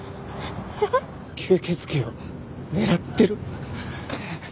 吸血鬼を狙ってる？